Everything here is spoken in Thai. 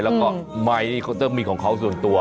แล้วก็ไมค์เขาต้องมีของเขาส่วนตัว